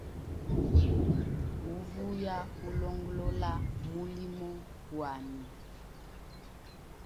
Uvuya ulongolola mulimo gwami.